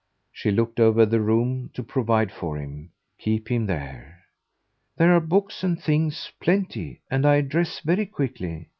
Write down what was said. She looked over the room to provide for him, keep him there. "There are books and things plenty; and I dress very quickly."